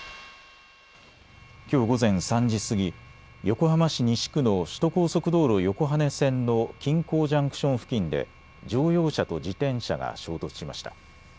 きょう午前３時過ぎ、横浜市西区の首都高速道路横羽線の金港ジャンクション付近で乗用車と自転車が衝突しました。